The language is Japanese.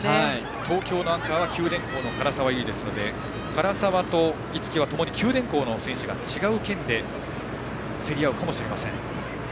東京のアンカーは九電工の唐沢ゆりですので唐沢と逸木は共に九電工の違う県で競り合うかもしれません。